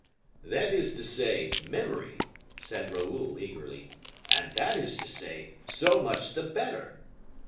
"That is to say, memory," said Raoul, eagerly; "and that is to say, so much the better!"